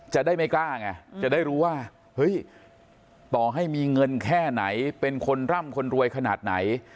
จะได้ไม่กล้าไงจะได้รู้ว่าเฮ้ยต่อให้มีเงินแค่ไหนเป็นคนร่ำคนรวยขนาดไหน